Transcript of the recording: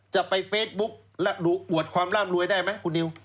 จะไปเฟซบุ๊กดูอวดความร่ำรวยได้ไหมคุณนิว